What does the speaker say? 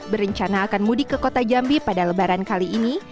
berencana akan mudik ke kota jambi pada lebaran kali ini